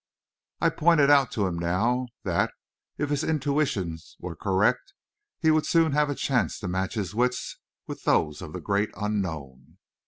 I pointed out to him now that, if his intuitions were correct, he would soon have a chance to match his wits with those of the Great Unknown.